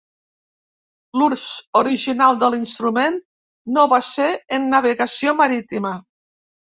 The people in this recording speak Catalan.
L'ús original de l'instrument no va ser en navegació marítima.